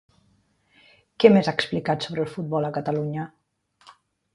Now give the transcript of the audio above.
Què més ha explicat sobre el futbol a Catalunya?